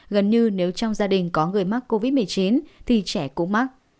gần như nếu trong gia đình có người mắc covid một mươi chín thì trẻ cũng mắc